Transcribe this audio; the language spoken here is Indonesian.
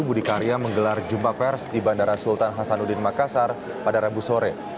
budi karya menggelar jumpa pers di bandara sultan hasanuddin makassar pada rabu sore